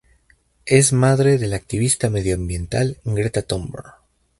Es madre de la activista medioambiental Greta Thunberg.